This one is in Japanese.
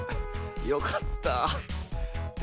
よかったあ。